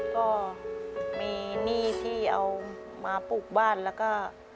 ก็มีหนี้ที่เอามาปลูกบ้านแล้วก็